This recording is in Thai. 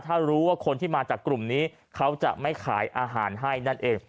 ถ้ารู้ว่าคนที่มาจากกลุ่มนี้เขาจะไม่ขายอาหารให้นั่นเอง